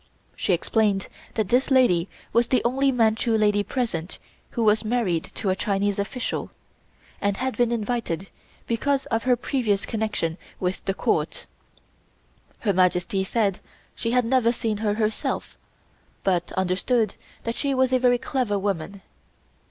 She explained that this lady was the only Manchu lady present who was married to a Chinese official, and had been invited because of her previous connection with the Court. Her Majesty said she had never seen her herself, but understood that she was a very clever woman.